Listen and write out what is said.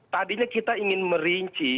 tadinya kita ingin merinci